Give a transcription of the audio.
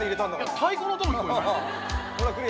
太鼓の音も聴こえない？